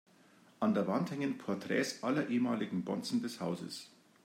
An der Wand hängen Porträts aller ehemaligen Bonzen des Hauses.